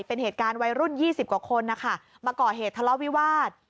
เป็นเหตุการณ์วัยรุ่น๒๐กว่าคนนะคะมาก่อเหตุทะเลาะวิวาส